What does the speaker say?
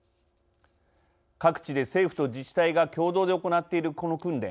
各地で政府と自治体が共同で行っているこの訓練。